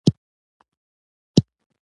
که قبر سخت وي، وروسته ټول حالات به سخت وي.